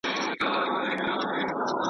پر ملا دي کړوپ کړم زمانه خوار سې .